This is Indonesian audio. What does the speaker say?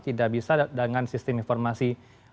tidak bisa dengan sistem informasi